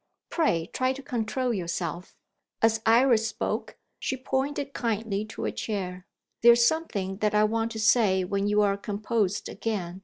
"Pray try to control yourself." As Iris spoke, she pointed kindly to a chair. "There is something that I want to say when you are composed again.